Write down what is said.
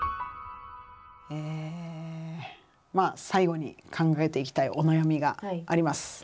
最後に考えていきたいお悩みがあります。